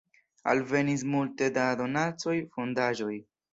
Alvenis multe da donacoj, fondaĵoj.